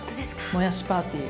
もやしパーティー。